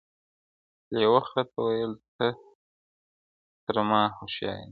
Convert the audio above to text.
لېوه خره ته ویل ته تر ما هوښیار یې -